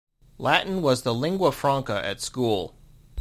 Latin was the lingua franca at school.